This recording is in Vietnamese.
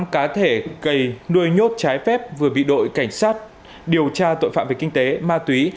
một mươi tám cá thể cầy nuôi nhốt trái phép vừa bị đội cảnh sát điều tra tội phạm về kinh tế ma túy